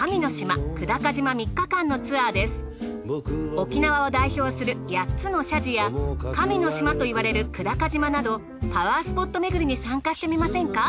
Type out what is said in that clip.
沖縄を代表する８つの社寺や神の島といわれる久高島などパワースポットめぐりに参加してみませんか？